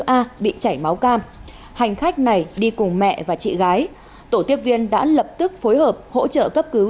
hai mươi bốn a bị chảy máu cam hành khách này đi cùng mẹ và chị gái tổ tiếp viên đã lập tức phối hợp hỗ trợ cấp cứu